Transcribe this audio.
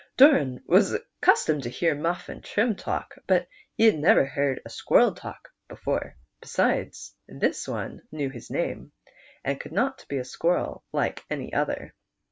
Doran was accustomed to hear Muff and Trim talk but he had never heard a squirrel talk before ; besides, this one knew his name, and could not be a squirrel like any other.